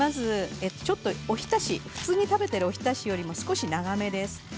おひたし、普通に食べているおひたしよりも少し長めです。